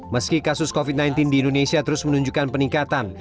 meski kasus covid sembilan belas di indonesia terus menunjukkan peningkatan